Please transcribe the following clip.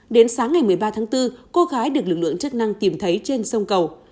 đến sáng ngày một mươi ba tháng bốn cô gái được lực lượng chức năng tìm thấy trên sông cầu